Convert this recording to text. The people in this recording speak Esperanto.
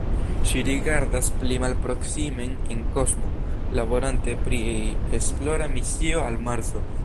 Ŝi rigardas pli malproksimen en kosmo, laborante pri esplora misio al Marso.